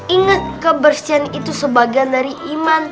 ingat kebersihan itu sebagian dari iman